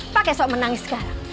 pakai sok menangis sekarang